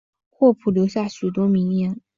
霍普留下许多名言。